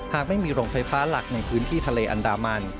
หากไม่มีโรงไฟฟ้าหลักในพื้นที่ทะเลอันดามัน